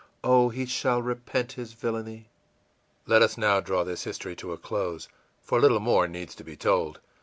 Oh, he shall repent his villainy!î Let us now draw this history to a close, for little more needs to be told.